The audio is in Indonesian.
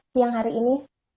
siang hari ini